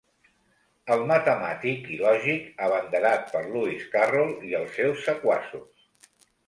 El matemàtic i lògic, abanderat per Lewis Carroll i els seus sequaços.